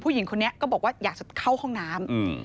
หญิงคนนี้ก็บอกว่าอยากจะเข้าห้องน้ำ